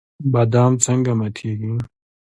بادام څنګه ماتیږي؟